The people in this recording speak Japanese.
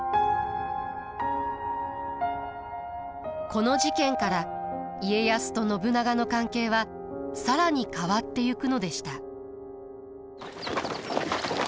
この事件から家康と信長の関係は更に変わってゆくのでした。